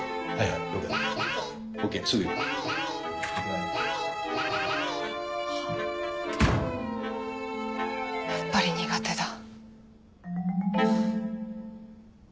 やっぱり苦手だ。